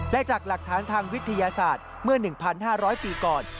และจากหลักฐานทางวิทยาศาสตร์เมื่อ๑๕๐๐ปีก่อน